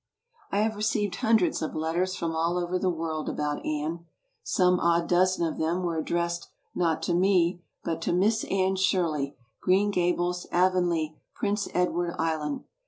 I have received hundreds of letters from all over the world about Anne. Some odd dozen of them were ad dressed, not to me, but to "Miss Anne Shirley, Green Ga bles, Avonlea, Prince Edward Island."